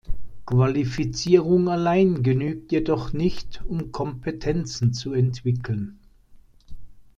Qualifizierung allein genügt jedoch nicht, um Kompetenzen zu entwickeln.